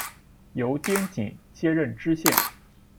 由丁谨接任知县。